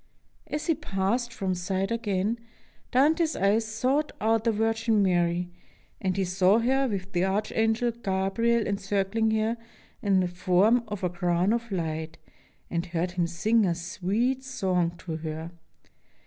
As He passed from sight again, Dante's eyes sought out the Virgin Mary, and he saw her with the Archangel Gabriel encircling her in the form of a crown of light, and heard him sing a sweet song to her.